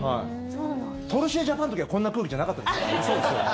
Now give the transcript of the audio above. トルシエジャパンの時はこんな空気じゃなかったですから。